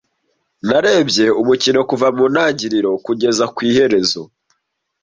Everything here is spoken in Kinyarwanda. Narebye umukino kuva mu ntangiriro kugeza ku iherezo.